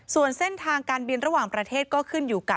ส่วนเส้นทางการบินระหว่างประเทศก็ขึ้นอยู่กับ